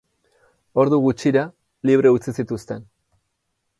Ordu gutxira libre utzi zituzten.